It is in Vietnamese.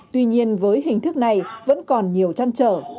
tuy nhiên với hình thức này vẫn còn nhiều chăn trở